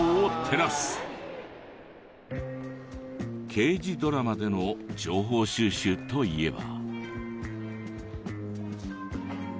刑事ドラマでの情報収集といえば。